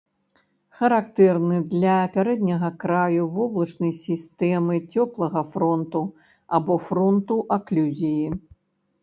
Характэрны для пярэдняга краю воблачнай сістэмы цёплага фронту або фронту аклюзіі.